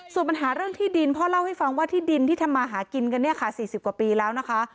ส่วนปัญหาเรื่องที่ดินพ่อเล่าให้ฟังว่าที่ดินที่ทำมาหากินกันเนี่ยค่ะ๔๐กว่าปีแล้วนะคะ